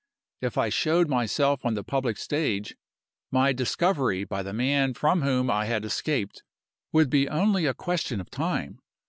If I showed myself on the public stage, my discovery by the man from whom I had escaped would be only a question of time.